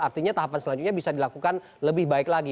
artinya tahapan selanjutnya bisa dilakukan lebih baik lagi